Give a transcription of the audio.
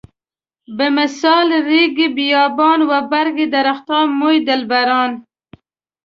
بمثال ريګ بيابان و برګ درختان موی دلبران.